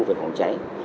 về phòng cháy